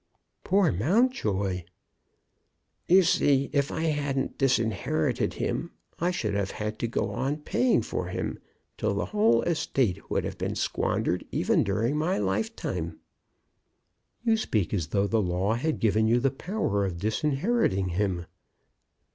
"Poor Mountjoy!" "You see, if I hadn't disinherited him I should have had to go on paying for him till the whole estate would have been squandered even during my lifetime." "You speak as though the law had given you the power of disinheriting him."